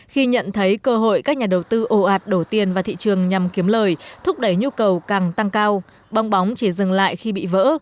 khi nhận thấy cơ hội các nhà đầu tư ồ ạt đổ tiền vào thị trường nhằm kiếm lời thúc đẩy nhu cầu càng tăng cao bóng bóng chỉ dừng lại khi bị vỡ